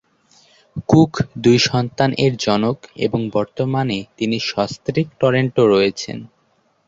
Cook দুই সন্তান এর জনক এবং বর্তমানে তিনি সস্ত্রীক টরেন্টো রয়েছেন।